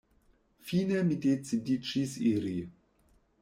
Fine mi decidiĝis iri.